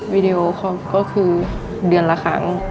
วิดีโอก็คือเดือนละครั้ง